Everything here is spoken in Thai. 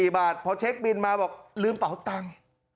๔บาทพอเช็คบินมาบอกลืมเป๋าตังค์